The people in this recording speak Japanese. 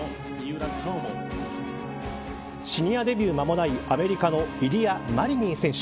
シニアデビュー間もないアメリカのイリア・マリニン選手